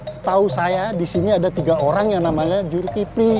setahu saya disini ada tiga orang yang namanya jul kipli